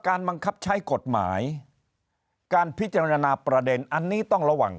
บังคับใช้กฎหมายการพิจารณาประเด็นอันนี้ต้องระวัง